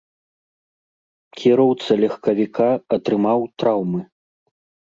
Кіроўца легкавіка атрымаў траўмы.